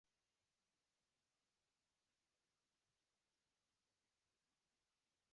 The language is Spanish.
La selección alemana fue eliminada en primera ronda.